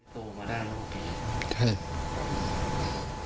โตมาได้แล้วโอเคใช่ไหมคะใช่